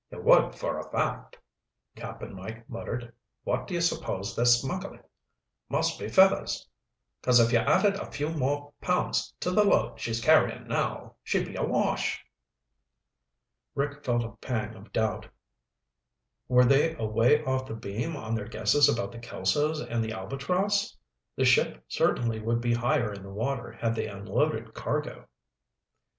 "You would for a fact," Cap'n Mike muttered. "What do you suppose they're smuggling? Must be feathers. 'Cause if you added a few more pounds to the load she's carrying now, she'd be awash." Rick felt a pang of doubt. Were they away off the beam on their guesses about the Kelsos and the Albatross? The ship certainly would be higher in the water had they unloaded cargo.